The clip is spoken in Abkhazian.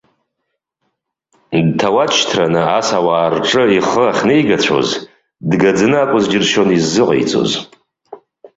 Дҭауад шьҭраны ас ауаа рҿы ихы ахьнеигацәоз, дгаӡаны акәыз џьыршьон иззыҟаиҵоз.